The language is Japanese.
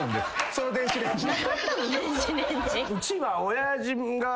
・その電子レンジで？うちは。